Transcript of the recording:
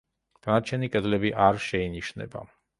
დანარჩენი კედლები არ შეინიშნება.